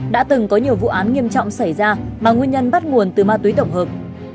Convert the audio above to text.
đã từng có nhiều vụ án nghiêm trọng xảy ra mà nguyên nhân bắt nguồn từ ma túy tổng hợp